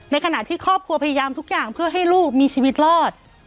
ในขณะที่ครอบครัวพยายามทุกอย่างเพื่อให้ลูกมีชีวิตรอด